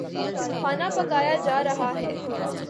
کھانا پکایا جا رہا ہے